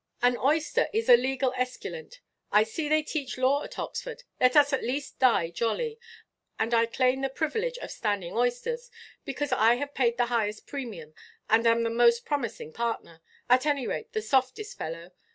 An oyster is a legal esculent; I see they teach law at Oxford; let us at least die jolly. And I claim the privilege of standing oysters, because I have paid the highest premium, and am the most promising partner—at any rate, the softest fellow.